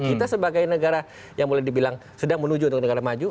kita sebagai negara yang boleh dibilang sedang menuju untuk negara maju